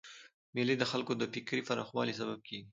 مېلې د خلکو د فکري پراخوالي سبب کېږي.